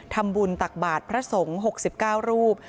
ทำบุญตักบาทพระสงค์๖๙รูป